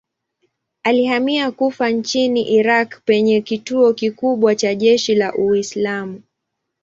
Alihamia Kufa nchini Irak penye kituo kikubwa cha jeshi la Uislamu.